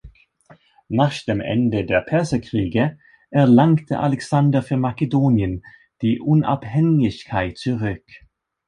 Nach dem Ende der Perserkriege erlangte Alexander für Makedonien die Unabhängigkeit zurück.